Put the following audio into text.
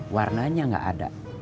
warnanya gak ada